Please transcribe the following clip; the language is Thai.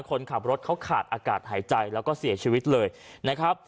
คนขับรถเขาขาดอากาศหายใจแล้วก็เสียชีวิตเลยนะครับ